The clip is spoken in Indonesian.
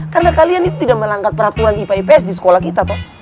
karena kalian itu tidak melangkat peraturan ipa ips di sekolah kita toh